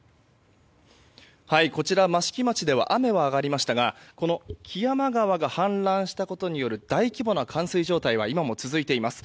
こちら益城町では雨は上がりましたが木山川が氾濫したことによる大規模な冠水状態は今も続いています。